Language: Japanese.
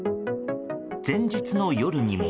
前日の夜にも。